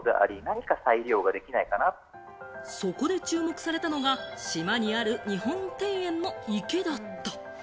そこで注目されたのが、島にある日本庭園の池だった。